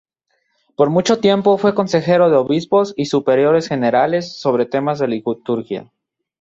Por mucho tiempo fue consejero de obispos y superiores generales sobre temas de liturgia.